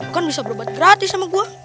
kan bisa berobat gratis sama gue